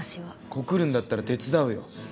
コクるんだったら手伝うよ。